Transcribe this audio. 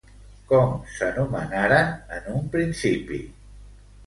Com s'anomenaren en un principi?